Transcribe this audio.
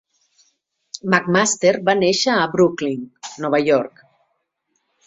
McMaster va néixer a Brooklyn, Nova York.